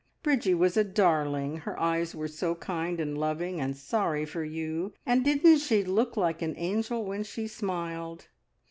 Bridgie was a darling; her eyes were so kind and loving and sorry for you, and didn't she look an angel when she smiled?